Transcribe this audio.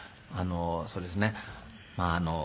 そうですね。